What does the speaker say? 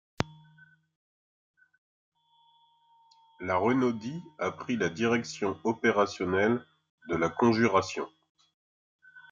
La Renaudie a pris la direction opérationnelle de la conjuration.